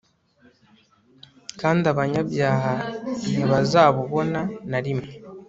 kandi abanyabyaha ntibazabubona na rimwe